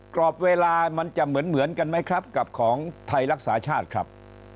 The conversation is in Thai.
กรอบเวลามันจะเหมือนกันไหมครับกับของไทยรักษาชาติครับ